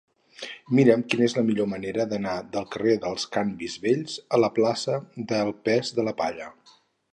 Mira'm quina és la millor manera d'anar del carrer dels Canvis Vells a la plaça del Pes de la Palla.